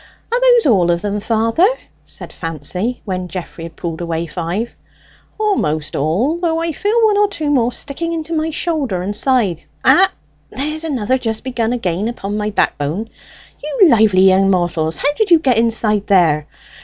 "Are those all of them, father?" said Fancy, when Geoffrey had pulled away five. "Almost all, though I feel one or two more sticking into my shoulder and side. Ah! there's another just begun again upon my backbone. You lively young mortals, how did you get inside there?